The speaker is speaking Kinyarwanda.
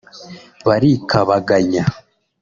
Barikabaganya